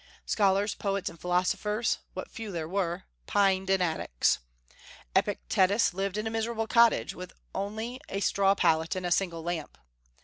Scholars, poets, and philosophers what few there were pined in attics. Epictetus lived in a miserable cottage with only a straw pallet and a single lamp.